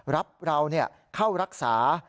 รับเราเข้ารักษา